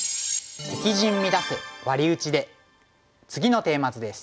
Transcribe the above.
次のテーマ図です。